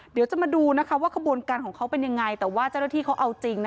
เดี๋ยวจะมาดูนะคะว่าขบวนการของเขาเป็นยังไงแต่ว่าเจ้าหน้าที่เขาเอาจริงนะ